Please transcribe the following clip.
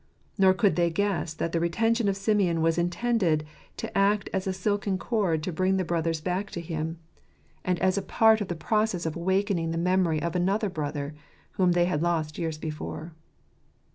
Nor could they guess that the retention of Simeon was intended to act as a silken cord to bring the brothers back to him, 31 purpose of nterrp. 9 r and as part of the process of awakening the memory of another brother, whom they had lost years before.